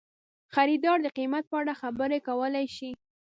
خریدار د قیمت په اړه خبرې کولی شي.